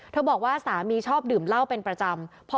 บอกว่าสามีชอบดื่มเหล้าเป็นประจำ